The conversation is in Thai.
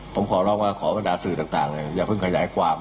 ผมขอร้องว่าขอบรรดาสื่อต่างเลยอย่าเพิ่งขยายความ